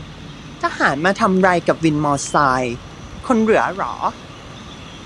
ทหารมาทำไรกับวินมอไซ ? คนเหลือหรอ